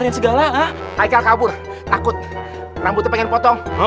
ngapain segala ah aikal kabur takut rambutnya pengen potong